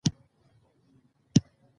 اداري بېطرفي د عدالت اساس دی.